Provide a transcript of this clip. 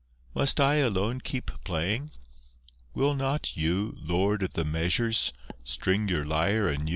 Must I alone keep playing? Will not you, Lord of the Measures, string your lyre anew?